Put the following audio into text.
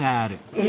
え？